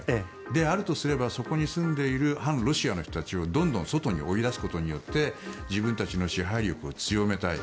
であるとすればそこに住んでいる反ロシアの人たちをどんどん外に追い出すことによって自分たちの支配力を強めたい。